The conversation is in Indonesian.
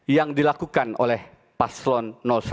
yang dilakukan oleh paslon satu